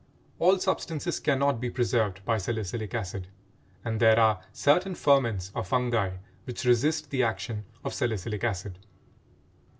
All substances cannot be preserved by salicylic acid, and there are certain ferments or fungi which resist the action of salicylic acid.